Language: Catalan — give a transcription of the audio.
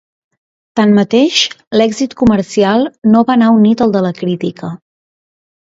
Tanmateix, l'èxit comercial no va anar unit al de la crítica.